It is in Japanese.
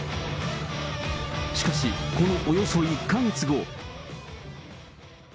しかし、このおよそ１か月後。